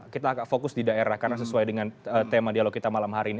kita agak fokus di daerah karena sesuai dengan tema dialog kita malam hari ini